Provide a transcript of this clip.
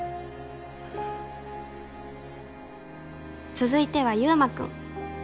「続いては優磨君。